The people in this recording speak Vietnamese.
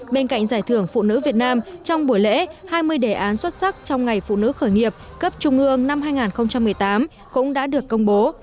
bên cạnh giải thưởng phụ nữ việt nam trong buổi lễ hai mươi đề án xuất sắc trong ngày phụ nữ khởi nghiệp cấp trung ương năm hai nghìn một mươi tám cũng đã được công bố